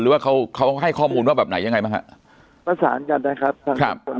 หรือว่าเขาเขาให้ข้อมูลว่าแบบไหนยังไงบ้างฮะประสานกันนะครับทางสามคน